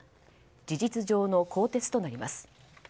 事実上の更迭となります。